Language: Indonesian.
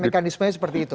mekanisme seperti itu